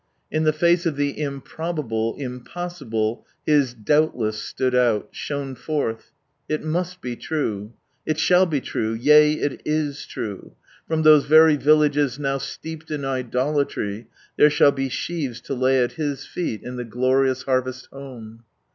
In the face of the improbable, impossible, His " doubtless" stood out, shone forth. It must be true. It shall be true, yea, it w true. From those very villages now steeped in idolatry there shall be sheaves to lay at His feet in the glorious harvest home.